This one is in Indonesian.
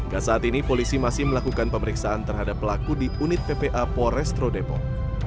gak saat ini polisi masih melakukan pemeriksaan terhadap pelaku di unit ppa porestro depok